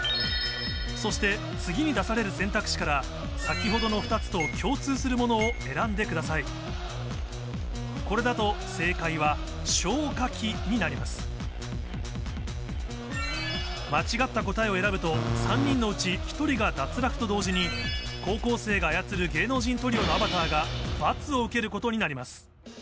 そして次に出される選択肢から先ほどの２つとこれだと正解は間違った答えを選ぶと３人のうち１人が脱落と同時に高校生が操る芸能人トリオのアバターが罰を受けることになります